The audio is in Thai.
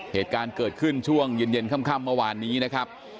เหตุการณ์เกิดขึ้นช่วงเย็นค่ำเมื่อวานนี้นะครับ